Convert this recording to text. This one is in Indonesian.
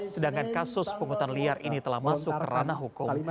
sedangkan kasus penghutan liar ini telah masuk ke ranah hukum